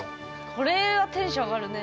これはテンション上がるね。